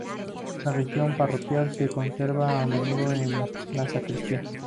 El registro parroquial se conserva a menudo en la sacristía.